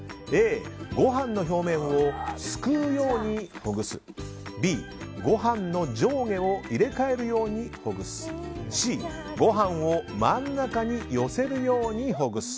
Ａ、ご飯の表面をすくうようにほぐすＢ、ご飯の上下を入れ替えるようにほぐすＣ、ご飯の真ん中を寄せるようにほぐす。